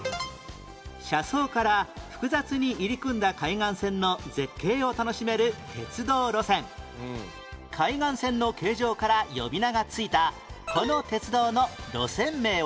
車窓から複雑に入り組んだ海岸線の絶景を楽しめる鉄道路線海岸線の形状から呼び名が付いたこの鉄道の路線名は？